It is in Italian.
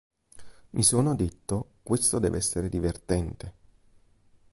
Mi sono detto: questo deve essere divertente.